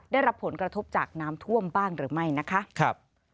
ได้รับผลกระทบจากน้ำท่วมบ้างหรือไม่นะคะ